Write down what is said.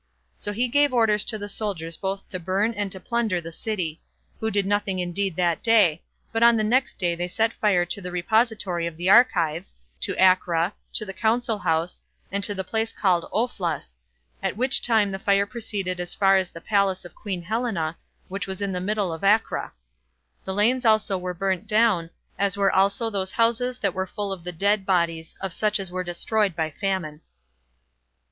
So he gave orders to the soldiers both to burn and to plunder the city; who did nothing indeed that day; but on the next day they set fire to the repository of the archives, to Acra, to the council house, and to the place called Ophlas; at which time the fire proceeded as far as the palace of queen Helena, which was in the middle of Acra; the lanes also were burnt down, as were also those houses that were full of the dead bodies of such as were destroyed by famine.